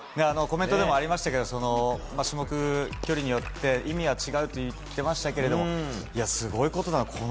コメントでもありましたが種目、距離によって意味は違うと言っていましたけどすごいことだなと。